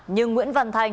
nhưng nguyễn văn thái